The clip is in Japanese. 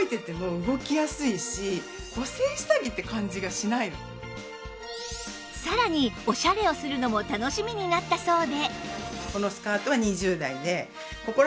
それからさらにオシャレをするのも楽しみになったそうで